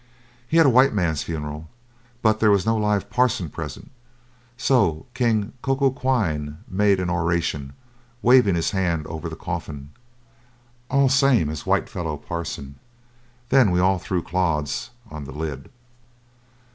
He had a white man's funeral, but there was no live parson present, so king Coco Quine made an oration, waving his hands over the coffin, "All same as whitefellow parson," then we all threw clods on the lid.